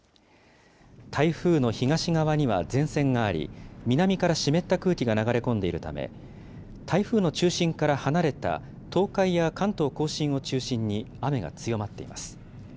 台風の東側には前線があり、南から湿った空気が流れ込んでいるため、台風の中心から離れた東海や関東甲信を中心に雨が強まっています。